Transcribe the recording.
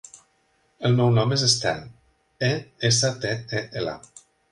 El meu nom és Estel: e, essa, te, e, ela.